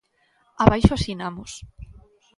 Abaixo asinamos.